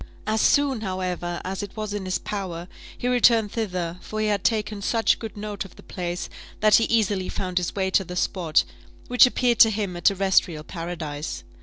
As soon, however, as it was in his power, he returned thither; for he had taken such good note of the place, that he easily found his way to the spot, which appeared to him a terrestrial paradise.